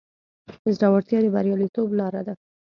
زړورتیا د بریالیتوب لاره ده.